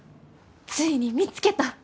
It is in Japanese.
ついに見つけた。